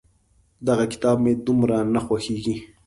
دغه کتاب مې دومره نه خوښېږي.